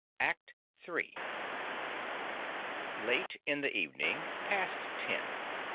ACT III Late in the evening. Past ten.